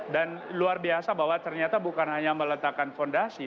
dan luar biasa bahwa ternyata bukan hanya meletakkan fondasi